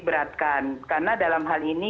beratkan karena dalam hal ini